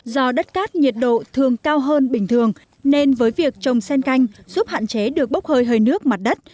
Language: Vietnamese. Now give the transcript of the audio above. do đất cát nhiệt độ thường cao hơn bình thường nên với việc trồng sen canh giúp hạn chế được bốc hơi hơi nước mặt đất